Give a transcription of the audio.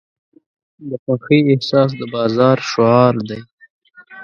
د خوښۍ احساس د بازار شعار دی.